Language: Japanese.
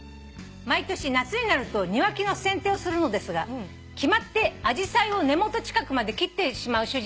「毎年夏になると庭木の剪定をするのですが決まってアジサイを根元近くまで切ってしまう主人に怒る私です」